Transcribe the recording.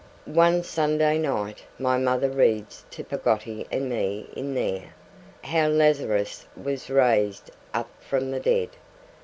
One Sunday night my mother reads to Peggotty and me in there, how Lazarus was raised up from the dead.